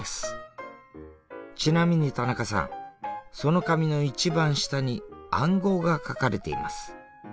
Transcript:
ちなみに田中さんその紙の一番下に暗号が書かれています。